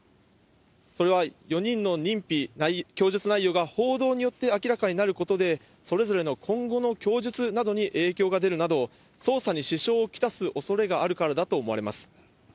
それは、４人の認否、供述内容が報道によって明らかになることで、それぞれの今後の供述などに影響が出るなど、捜査に支障を来すおそれがあるからだと思われます。